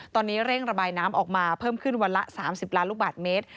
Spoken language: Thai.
ตอนนี้เร่งระบายน้ำออกมาเพิ่มขึ้นวันละ๓๐ล้านลูกบาทเมตร